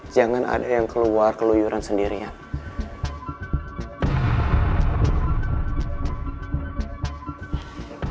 jangan ada yang keluar keluyuran sendirian